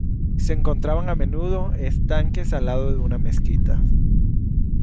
Se encontraban a menudo estanques al lado de una mezquita.